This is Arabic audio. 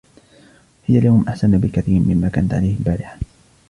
هي اليوم أحسن بكثير مما كانت عليه البارحة.